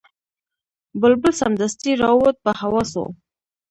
بلبل سمدستي را ووت په هوا سو